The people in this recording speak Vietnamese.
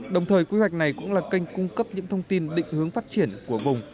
đồng thời quy hoạch này cũng là kênh cung cấp những thông tin định hướng phát triển của vùng